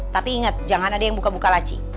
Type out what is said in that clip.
tapi inget jangan ada yang buka buka laci ya